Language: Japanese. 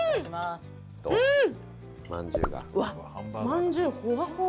まんじゅうほわほわ。